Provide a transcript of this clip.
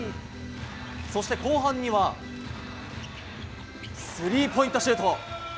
そして、後半にはスリーポイントシュート！